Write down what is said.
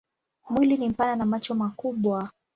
Mwili ni mpana na macho makubwa.